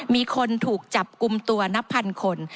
มีคนถูกจับกลุ่มตัวนับพันคน